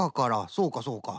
そうかそうか。